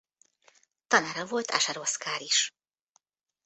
Tanára volt Ascher Oszkár is.